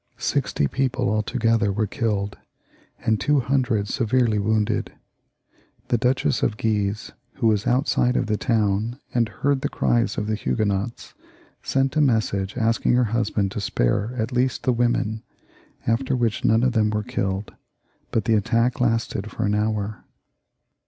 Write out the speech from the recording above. Sixty people altogether were killed, and two hundred severely wounded. The Duchess of Guise, who was outside the town, and heard the cries of the Hugue nots, sent a message asking her husband to spare at least the women, after which none of them were killed, but the attack lasted for an hour.